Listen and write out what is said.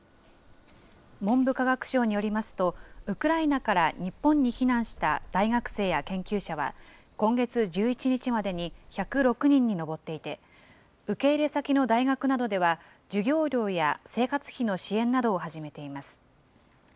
文部科学省によりますと、ウクライナから日本に避難した大学生や研究者は、今月１１日までに１０６人に上っていて、受け入れ先の大学などでは、授業料や生活費の支援などを始めています。